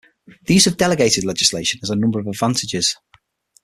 The use of delegated legislation has a number of advantages.